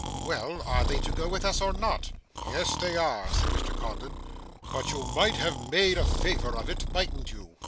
'Well, are they to go with us or not?' 'Yes, they are,' said Mr Codlin; 'but you might have made a favour of it, mightn't you?